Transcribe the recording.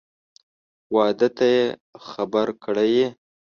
واده ته یې خبر کړی یې؟